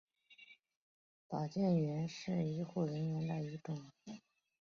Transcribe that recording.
保健员是医护人员的一种。